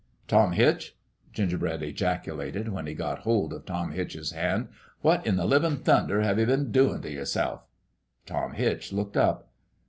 "Tom Hitch," Gingerbread ejaculated, when he got hold of Tom Hitch's hand, " what in the livin' thunder have you been doin' t' your self ?" Tom Hitch looked up.